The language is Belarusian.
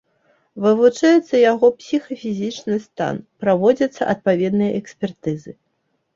Вывучаецца яго псіхафізічны стан, праводзяцца адпаведныя экспертызы.